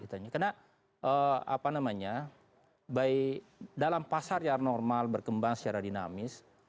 karena dalam pasar yang normal berkembang secara dinamis